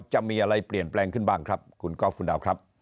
จะมีอะไรเปลี่ยนแปลงขึ้นบ้างครับคุณก๊อฟคุณดาวครับ